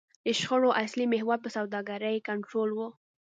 د شخړو اصلي محور پر سوداګرۍ کنټرول و.